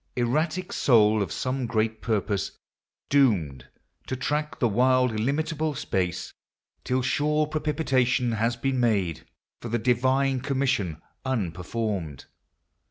Erratic Soul of some great Purpose, doomed To track the wild illimitable space, Till sure propitiation has been made For the divine commission unperformed